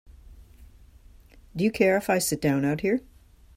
Do you care if I sit down out here?